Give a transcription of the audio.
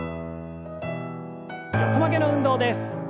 横曲げの運動です。